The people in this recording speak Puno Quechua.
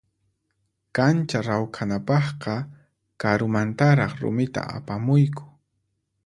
Kancha rawkhanapaqqa karumantaraq rumita apamuyku.